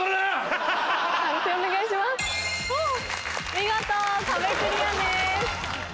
見事壁クリアです。